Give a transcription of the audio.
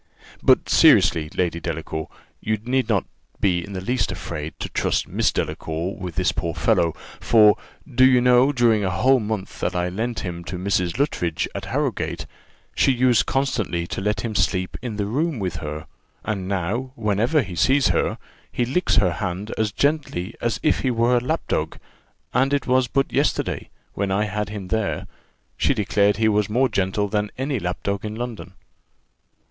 "But, seriously, Lady Delacour, you need not be in the least afraid to trust Miss Delacour with this poor fellow; for, do you know, during a whole month that I lent him to Mrs. Luttridge, at Harrowgate, she used constantly to let him sleep in the room with her; and now, whenever he sees her, he licks her hand as gently as if he were a lapdog; and it was but yesterday, when I had him there, she declared he was more gentle than any lapdog in London."